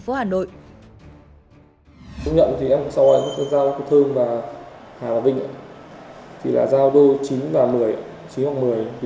phố hà nội nhận thì em xong rồi nó ra có thương mà hà vĩnh thì là giao đô chín và một mươi chín hoặc một mươi thì